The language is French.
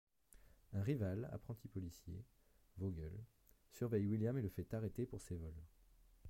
Un rival, apprenti policier, Vogel, surveille William et le fait arrêter pour ses vols.